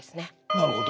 なるほど。